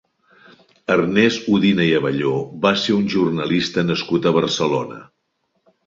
Ernest Udina i Abelló va ser un jornalista nascut a Barcelona.